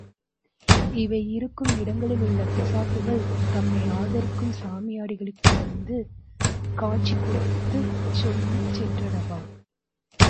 இவை இருக்கும் இடங்களில் உள்ள பிசாசுகள், தம்மை ஆராதிக்கும் சாமியாடிகளுக்கு வந்து காட்சி கொடுத்துச் சொல்லிச் சென்றனவா?